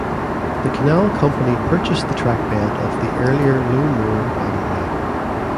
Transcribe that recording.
The canal company purchased the trackbed of the earlier Low Moor Waggonway.